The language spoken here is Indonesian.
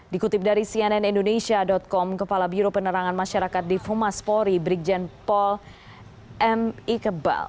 dikutip dari cnn indonesia com kepala biro penerangan masyarakat di fumaspori brigjen paul m ikebal